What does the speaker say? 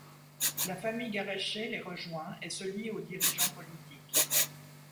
La famille Garesché les rejoint et se lie aux dirigeants politiques.